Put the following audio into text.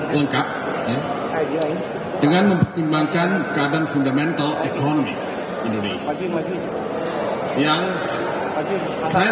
lengkap dengan mempertimbangkan keadaan fundamental ekonomi indonesia yang saya